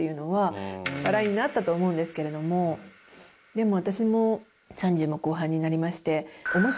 でも私も。